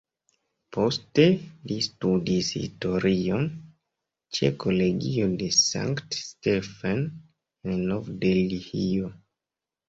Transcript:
Poste li studis historion ĉe Kolegio de Sankt-Stephen en Nov-Delhio.